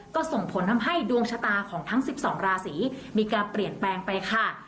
ก็ส่งผลทำให้ดวงชะตาของทั้ง๑๒ราศีมีการเปลี่ยนแปลงไปค่ะ